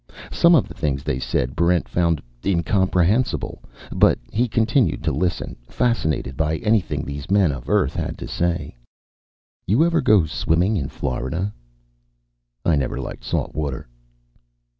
Some of the things they said Barrent found incomprehensible. But he continued to listen, fascinated by anything these men of Earth had to say. "You ever go swimming in Florida?" "I never liked salt water."